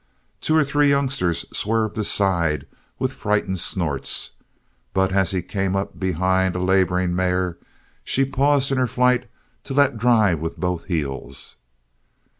Two or three youngsters swerved aside with frightened snorts, but as he came up behind a laboring mare she paused in her flight to let drive with both heels.